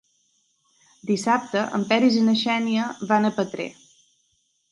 Dissabte en Peris i na Xènia van a Petrer.